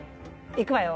いくわよ。